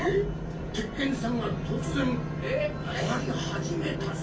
鉄拳さんが突然回り始めたぞ。